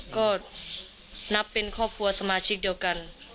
ก็นับเป็นครอบครัวสมาชิกเดียวกัน